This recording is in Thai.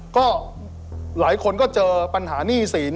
ก็หลายคนก็เจอปัญหาหนี้สิน